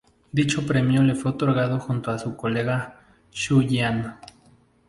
Dicho premio le fue otorgado junto a su colega Zhu Jian.